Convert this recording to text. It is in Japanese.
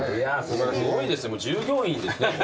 すごいですよもう従業員です。